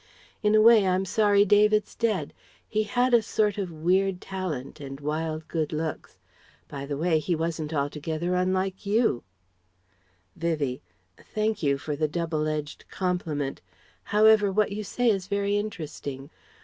In a way, I'm sorry David's dead. He had a sort of weird talent and wild good looks. By the way, he wasn't altogether unlike you." Vivie: "Thank you for the double edged compliment. However what you say is very interesting.